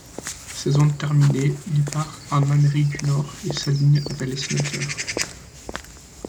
La saison terminée, il part en Amérique du Nord et s'aligne avec les Sénateurs.